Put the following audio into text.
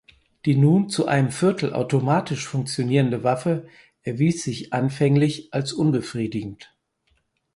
Die nun zu einem Viertel automatisch funktionierende Waffe erwies sich anfänglich als unbefriedigend.